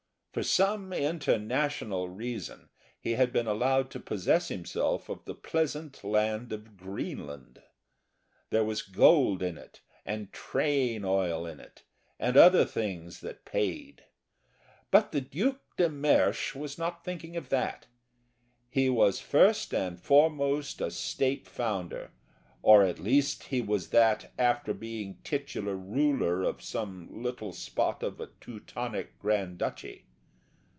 For some international reason he had been allowed to possess himself of the pleasant land of Greenland. There was gold in it and train oil in it and other things that paid but the Duc de Mersch was not thinking of that. He was first and foremost a State Founder, or at least he was that after being titular ruler of some little spot of a Teutonic grand duchy.